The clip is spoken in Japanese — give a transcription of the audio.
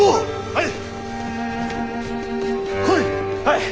はい！